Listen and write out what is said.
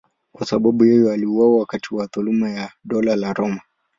Kwa sababu hiyo aliuawa wakati wa dhuluma ya Dola la Roma.